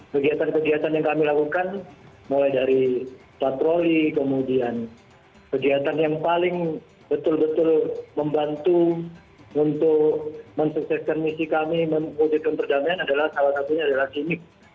kegiatan kegiatan yang kami lakukan mulai dari patroli kemudian kegiatan yang paling betul betul membantu untuk mensukseskan misi kami mewujudkan perdamaian adalah salah satunya adalah simmick